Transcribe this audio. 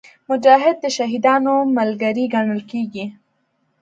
مجاهد د شهیدانو ملګری ګڼل کېږي.